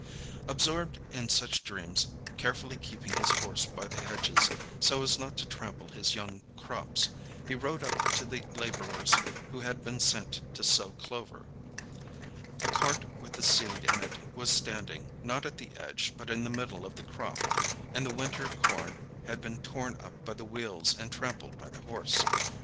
Absorbed in such dreams, carefully keeping his horse by the hedges, so as not to trample his young crops, he rode up to the laborers who had been sent to sow clover. A cart with the seed in it was standing, not at the edge, but in the middle of the crop, and the winter corn had been torn up by the wheels and trampled by the horse.